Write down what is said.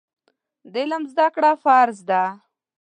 د علم زده کړه فرض ده.